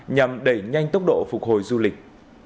nhằm đẩy nhanh tốc độ phục hồi du lịch